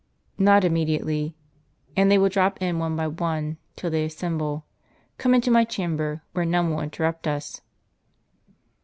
" ISTot immediately ; and they will drop in one by one ; till they assemble, come into my chamber, where none will interrupt us."